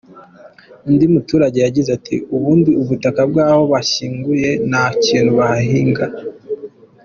Undi muturage yagize ati “Ubundi ubutaka bw’aho bashyinguye nta kintu bahahinga.